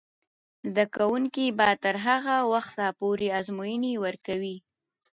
زده کوونکې به تر هغه وخته پورې ازموینې ورکوي.